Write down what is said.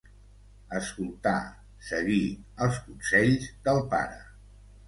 Escoltar, seguir, els consells del pare.